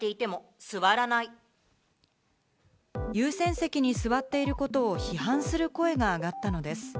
優先席に座っていることを批判する声が上がったのです。